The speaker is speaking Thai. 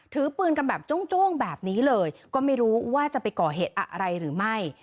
ถือปืนกันแบบโจ้งแบบนี้เลยก็ไม่รู้ว่าจะไปก่อเหตุอะไรหรือไม่